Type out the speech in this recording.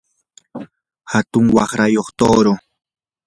atun waqrayuq tuuru.